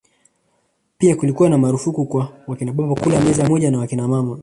Pia kulikuwa marufuku kwa wakinababa kula meza moja na wakinamama